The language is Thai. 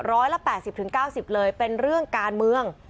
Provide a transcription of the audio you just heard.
ร้อยละ๘๐๙๐เลยเป็นเรื่องการเมือง